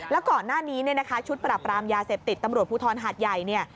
แล้วก่อนหน้านี้ชุดปรับรามยาเสพติดตำรวจภูทรหาดใหญ่